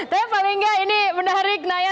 tapi paling nggak ini menarik naya